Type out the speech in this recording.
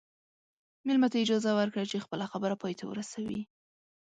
مېلمه ته اجازه ورکړه چې خپله خبره پای ته ورسوي.